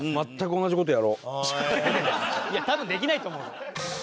いや多分できないと思うよ。